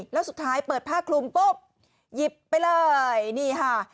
แล้วสุดท้ายเปิดผ้าคลุมปุ๊บหยิบไปเลยนี่ค่ะ